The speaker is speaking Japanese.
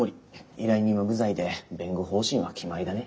依頼人は無罪で弁護方針は決まりだね。